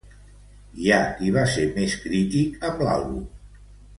Hi ha qui va ser més crític amb l'àlbum.